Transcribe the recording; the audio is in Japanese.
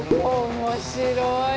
面白い。